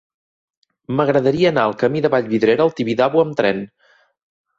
M'agradaria anar al camí de Vallvidrera al Tibidabo amb tren.